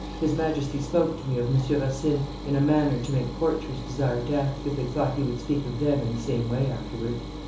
His Majesty spoke to me of M. Racine in a manner to make courtiers desire death, if they thought he would speak of them in the same way afterwards.